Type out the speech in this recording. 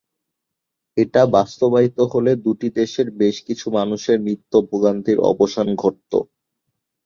এটা বাস্তবায়িত হলে দুটি দেশের বেশ কিছু মানুষের নিত্য ভোগান্তির অবসান ঘটত।